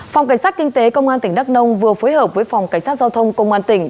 phòng cảnh sát kinh tế công an tỉnh đắk nông vừa phối hợp với phòng cảnh sát giao thông công an tỉnh